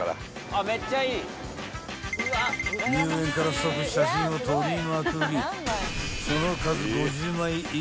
［入園から即写真を撮りまくりその数］